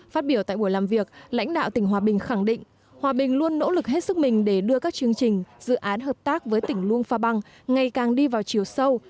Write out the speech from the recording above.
phát biểu tại buổi làm việc lãnh đạo tỉnh hòa bình khẳng định hòa bình luôn nỗ lực hết sức mình để đưa các chương trình dự án hợp tác với tỉnh luông pha băng ngày càng đi vào chiều sâu